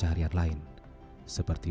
saya akan berhenti